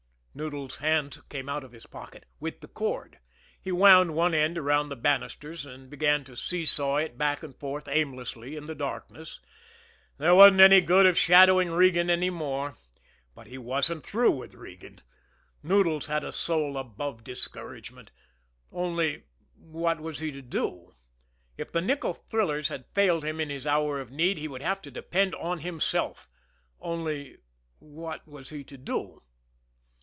Noodles' hands came out of his pocket with the cord. He wound one end around the bannisters, and began to see saw it back and forth aimlessly in the darkness. There wasn't any good of shadowing Regan any more but he wasn't through with Regan. Noodles had a soul above discouragement. Only what was he to do? If the nickel thrillers had failed him in his hour of need, he would have to depend on himself only what was he to do?